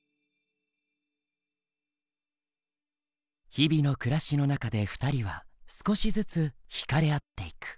日々の暮らしの中で２人は少しずつ惹かれ合っていく。